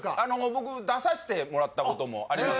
僕出させてもらったこともあります